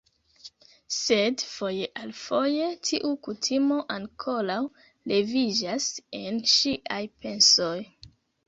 Sed, foje al foje, tiu kutimo ankoraŭ leviĝas en ŝiaj pensoj